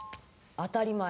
「当たり前」。